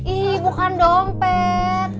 ih bukan dompet